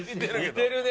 似てるね。